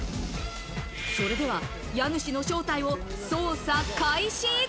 それでは家主の正体を捜査開始。